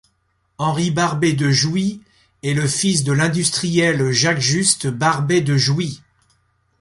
Henry Barbet de Jouy est le fils de l’industriel Jacques-Juste Barbet de Jouy.